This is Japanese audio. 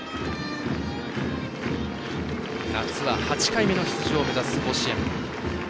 夏は８回目の出場を目指す甲子園。